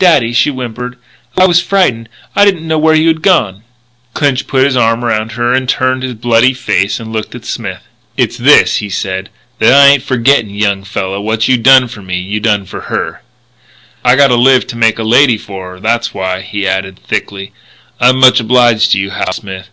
"Daddy," she whimpered, "I was frightened. I didn't know where you had gone " Clinch put his arm around her, turned his bloody face and looked at Smith. "It's this," he said, "that I ain't forgetting, young fella. What you done for me you done for her. "I gotta live to make a lady of her. That's why," he added thickly, "I'm much obliged to you, Hal Smith....